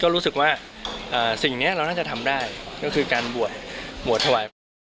รู้สึกว่าสิ่งนี้เราน่าจะทำได้ก็คือการบวชถวาย